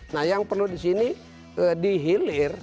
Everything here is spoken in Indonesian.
nah yang perlu di sini dihilir